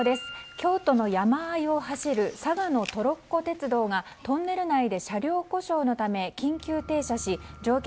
京都の山あいを走る嵯峨野トロッコ鉄道がトンネル内で車両故障のため緊急停車し乗客